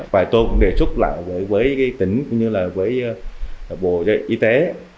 vài tôi cũng đề xuất lại với tỉnh như là với bộ y tế